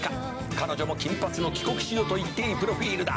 「彼女も金髪の帰国子女といっていいプロフィルだ」